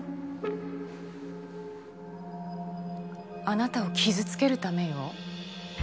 あなたを傷つけるためよ。